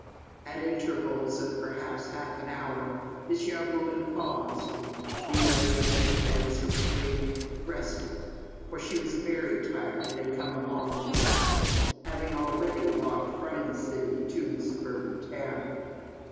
At intervals of, perhaps half an hour, this young woman paused, and, leaning against a fence, or tree, rested, for she was very tired and had come a long distance, having already walked from the city to the suburban town.